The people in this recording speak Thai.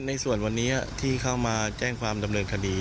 ในส่วนวันนี้ที่เข้ามาแจ้งความดำเนินคดี